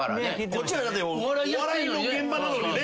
こっちはお笑いの現場なのにね。